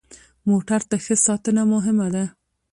موټر ته ښه ساتنه مهمه ده.